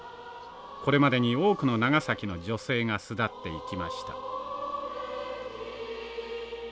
これまでに多くの長崎の女性が巣立っていきました。